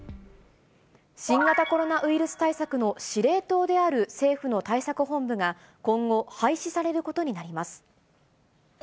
新型コロナウイルス対策の司令塔である政府の対策本部が、今後、廃止されることになります。